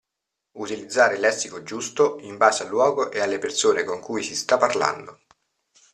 Utilizzare il lessico giusto, in base al luogo e alle persone con cui si sta parlando.